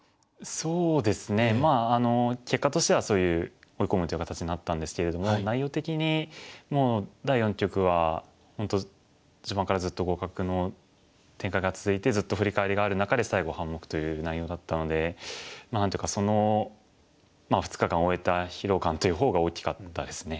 そうですね結果としてはそういう追い込むという形になったんですけれども内容的にもう第四局は本当序盤からずっと互角の展開が続いてずっとフリカワリがある中で最後半目という内容だったので何ていうかその２日間を終えた疲労感という方が大きかったですね。